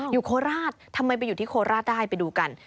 โคราชทำไมไปอยู่ที่โคราชได้ไปดูกัน